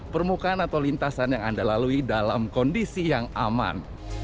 permukaan atau lintasan yang anda lalui dalam kondisi yang aman